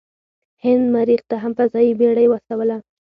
هند مریخ ته هم فضايي بیړۍ واستوله.